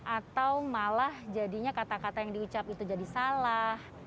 atau malah jadinya kata kata yang diucap itu jadi salah